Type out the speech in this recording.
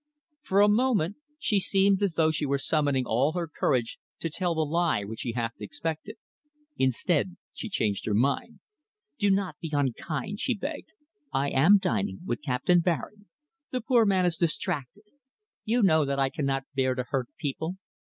For a moment she seemed as though she were summoning all her courage to tell the lie which he half expected. Instead she changed her mind. "Do not be unkind," she begged. "I am dining with Captain Baring. The poor man is distracted. You know that I cannot bear to hurt people.